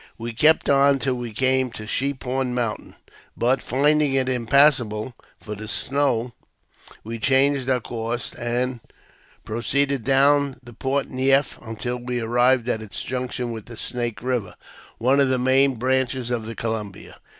We kept on till we came to Sheep horn Mountain, but, finding it impassable for the snow, we changed our course, and pro ceeded down the Port Neif until we arrived at its junction with the Snake River, one of the main branches of the Columbia.